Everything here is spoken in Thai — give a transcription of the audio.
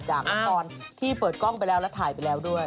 ตอนที่เปิดกล้องไปแล้วและถ่ายไปแล้วด้วย